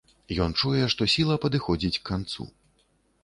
Ён чуе, што сіла падыходзіць к канцу.